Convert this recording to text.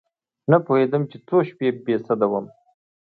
نه پوهېدم چې څو شپې بې سده وم.